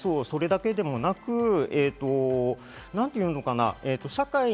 それだけではなく、何ていうのかな？